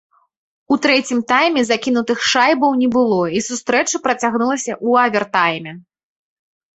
У трэцім тайме закінутых шайбаў не было, і сустрэча працягнулася ў авертайме.